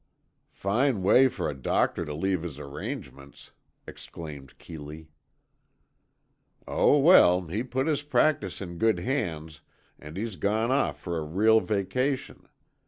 "Fine way for a doctor to leave his arrangements," exclaimed Keeley. "Oh, well, he put his practice in good hands, and he's gone off for a real vacation.